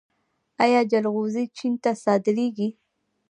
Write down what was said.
آیا جلغوزي چین ته صادریږي؟